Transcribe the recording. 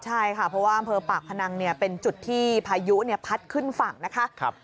ใช่ค่ะเพราะว่าอำเภอปากพนังเป็นจุดที่พายุพัดขึ้นฝั่งนะคะ